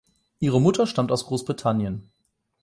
Ihre Mutter stammt aus Großbritannien.